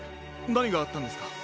なにがあったんですか？